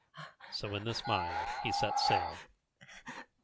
So in this mind he set sail.